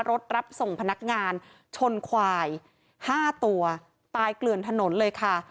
รับส่งพนักงานชนควายห้าตัวตายเกลื่อนถนนเลยค่ะ